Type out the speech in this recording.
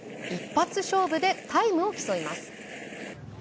一発勝負でタイムを競います。